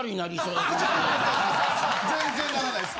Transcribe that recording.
全然ならないです。